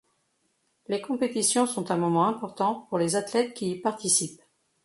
Les compétitions sont un moment important pour les athlètes qui y participent.